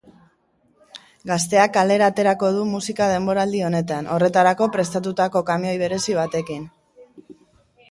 Gazteak kalera aterako du musika denboraldi honetan, horretarako prestatutako kamioi berezi batekin.